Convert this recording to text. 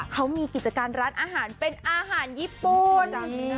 เขามีกิจการร้านอาหารเป็นอาหารญี่ปุ่น